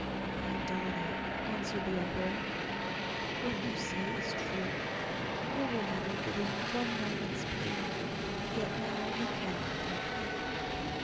'My daughter,' answered the emperor, 'what you say is true. Never have you given me one moment's pain. Yet now you cannot help me.